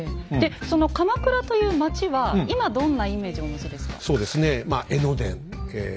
でその鎌倉という町は今どんなイメージをお持ちですか？